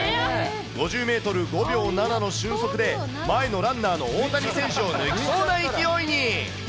５０メートル５秒７の俊足で、前のランナーの大谷選手を抜きそうな勢いに。